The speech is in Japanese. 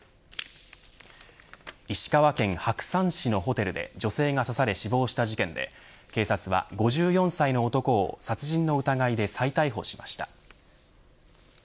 石川県白山市のホテルで女性が刺され死亡した事件で警察は５４歳の男を殺人の疑いで再逮捕しました。